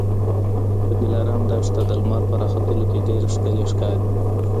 د دلارام دښته د لمر په راختلو کي ډېره ښکلې ښکاري